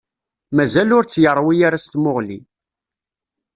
Mazal ur tt-yeṛwi ara s tmuɣli